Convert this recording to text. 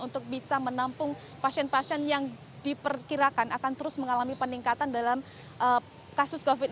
untuk bisa menampung pasien pasien yang diperkirakan akan terus mengalami peningkatan dalam kasus covid sembilan belas